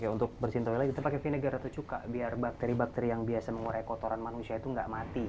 untuk membersihkan toilet kita pakai vinegar atau cuka biar bakteri bakteri yang biasa mengurai kotoran manusia itu tidak mati